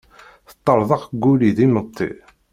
Teṭṭerḍeq Guli d imeṭṭi.